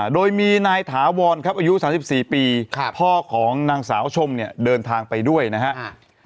โดยมีนายถาวรครับอายุ๓๔ปีพ่อของนางสาวชมเนี่ยเดินทางไปด้วยนะครับ